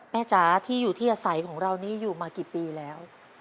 จ๋าที่อยู่ที่อาศัยของเรานี้อยู่มากี่ปีแล้ว